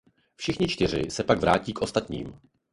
Všichni čtyři se pak vrátí k ostatním.